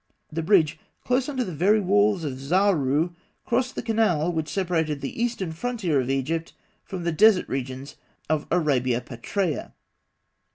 This bridge, close under the very walls of Zarû, crossed the canal which separated the eastern frontier of Egypt from the desert regions of Arabia Petraea.